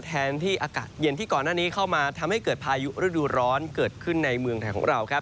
แทนที่อากาศเย็นที่ก่อนหน้านี้เข้ามาทำให้เกิดพายุฤดูร้อนเกิดขึ้นในเมืองไทยของเราครับ